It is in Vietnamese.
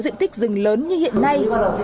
dịnh tích rừng lớn như hiện nay